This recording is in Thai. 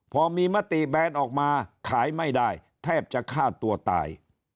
พอมีมติแบนออกมาขายไม่ได้แทบจะฆ่าตัวตาย